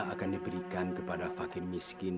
akan diberikan kepada fakir miskin